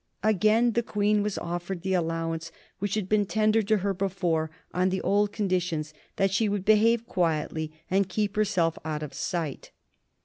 Again the Queen was offered the allowance which had been tendered to her before, on the old conditions that she would behave quietly and keep herself out of sight.